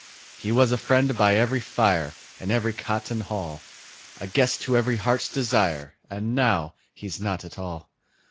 He was a friend by every fire, In every cot and hall A guest to every heart's desire, And now he's nought at all.